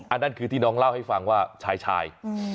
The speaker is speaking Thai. อันนั้นคือที่น้องเล่าให้ฟังว่าชาย